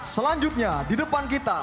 selanjutnya di depan kita